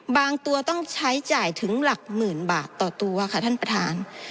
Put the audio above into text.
บางตัวต้องใช้จ่ายถึงหลักหมื่นบาทต่อตัวค่ะท่านประธาน